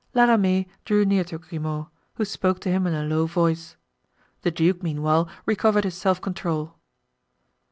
La Ramee drew near to Grimaud, who spoke to him in a low voice. The duke meanwhile recovered his self control.